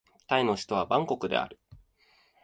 タイの首都はバンコクである